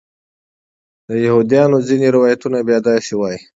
د یهودیانو ځینې روایتونه بیا داسې وایي.